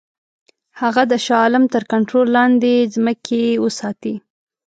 هغه د شاه عالم تر کنټرول لاندي ځمکې وساتي.